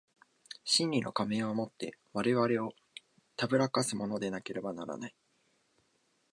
真理の仮面を以て我々を誑かすものでなければならない。